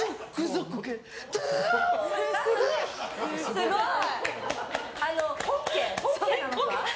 すごい！